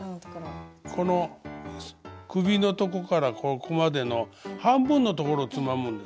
この首のとこからここまでの半分のところをつまむんです。